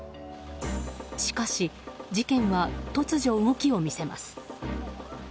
しかし、事件は突如、動きを見せます。